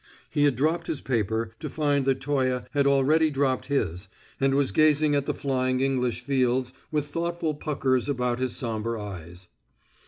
He had dropped his paper, to find that Toye had already dropped his, and was gazing at the flying English fields with thoughtful puckers about his somber eyes.